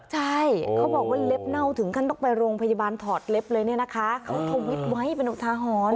ใช่เขาบอกว่าเล็บเน่าถึงขั้นต้องไปโรงพยาบาลถอดเล็บเลยเนี่ยนะคะเขาทวิตไว้เป็นอุทาหรณ์